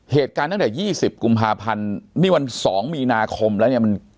เหตุการณ์ตั้งแต่๒๐กุมภาพันธ์นี่วัน๒มีนาคมแล้วเนี่ย